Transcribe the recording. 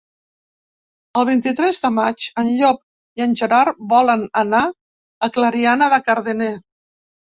El vint-i-tres de maig en Llop i en Gerard volen anar a Clariana de Cardener.